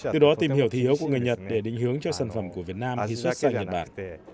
từ đó tìm hiểu thị hiếu của người nhật để định hướng cho sản phẩm của việt nam khi xuất sang nhật bản